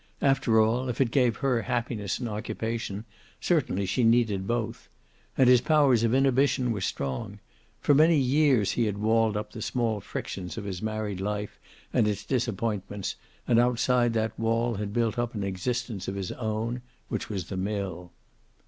After all, if it gave her happiness and occupation, certainly she needed both. And his powers of inhibition were strong. For many years he had walled up the small frictions of his married life and its disappointments, and outside that wall had built up an existence of his own, which was the mill.